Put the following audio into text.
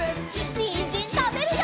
にんじんたべるよ！